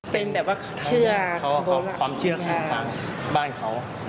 เป็นแบบว่าความเชื่อคือบ้านเขา